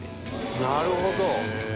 なるほど。